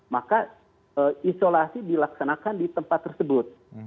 maka isolasi dilaksanakan di tempat tersebut